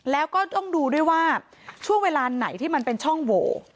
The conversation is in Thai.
แล้วก็ต้องดูด้วยว่าช่วงเวลาไหนที่มันเป็นช่องโหว